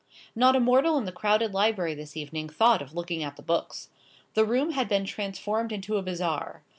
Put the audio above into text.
Not a mortal in the crowded library this evening thought of looking at the books. The room had been transformed into a bazaar.